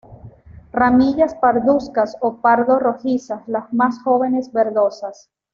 Ramillas parduzcas o pardo-rojizas, las más jóvenes verdosas.